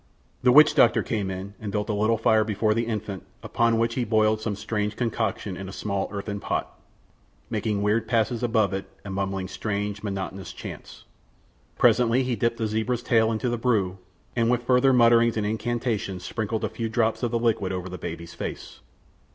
The witch doctor came and built a little fire before the infant, upon which he boiled some strange concoction in a small earthen pot, making weird passes above it and mumbling strange, monotonous chants. Presently he dipped a zebra's tail into the brew, and with further mutterings and incantations sprinkled a few drops of the liquid over the baby's face.